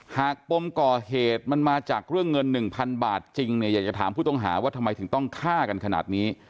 ปมก่อเหตุมันมาจากเรื่องเงิน๑๐๐๐บาทจริงเนี่ยอยากจะถามผู้ต้องหาว่าทำไมถึงต้องฆ่ากันขนาดนี้